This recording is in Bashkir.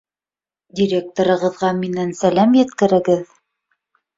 — Директорығыҙға минән сәләм еткерегеҙ.